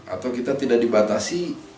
atau kita tidak dibatasi